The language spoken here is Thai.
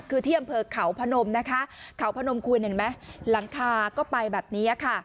คือที่อำเภอเขาพนมนะคะเขาพนมคุณเห็นไหมหลังคาก็ไปแบบนี้ค่ะ